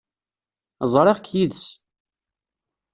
Ẓriɣ-k yid-s.